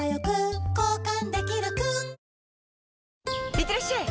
いってらっしゃい！